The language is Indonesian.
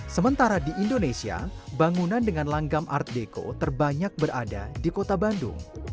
sementara di indonesia bangunan dengan langgam art deco terbanyak berada di kota bandung